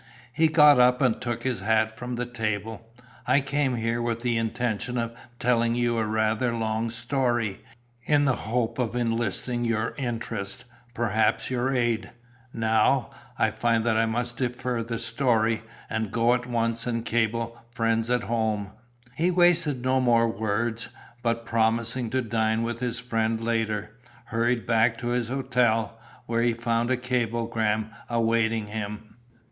He got up and took his hat from the table. "I came here with the intention of telling you a rather long story, in the hope of enlisting your interest, perhaps your aid. Now, I find that I must defer the story, and go at once and cable to friends at home." He wasted no more words, but, promising to dine with his friend later, hurried back to his hotel, where he found a cablegram awaiting him.